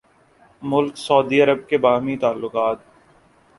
ملک سعودی عرب کے باہمی تعلقات